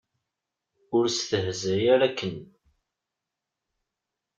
Ur stehzay ara akken!